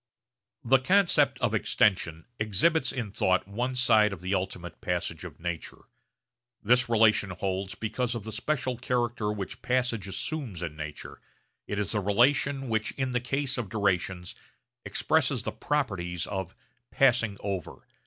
The concept of extension exhibits in thought one side of the ultimate passage of nature. This relation holds because of the special character which passage assumes in nature; it is the relation which in the case of durations expresses the properties of 'passing over.'